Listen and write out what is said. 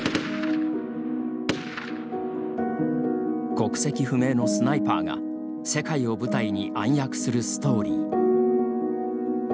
国籍不明のスナイパーが世界を舞台に暗躍するストーリー。